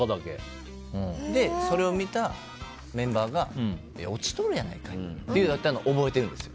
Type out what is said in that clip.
それを見た、メンバーがいや、落ちとるやないかい！っていうのを覚えてるんです。